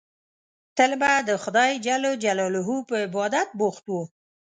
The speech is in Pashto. تل به د خدای جل جلاله په عبادت بوخت وو.